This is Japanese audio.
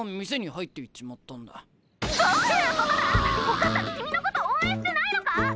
お母さん君のこと応援してないのか！？